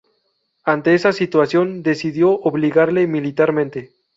Ante esa situación, decidió obligarle militarmente.